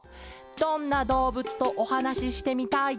「どんなどうぶつとおはなししてみたいですか？」